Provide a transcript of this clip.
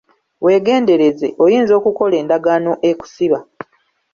Weegendereze, oyinza okukola endagaano ekusiba.